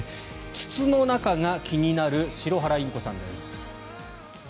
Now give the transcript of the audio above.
筒の中が気になるシロハラインコさんです。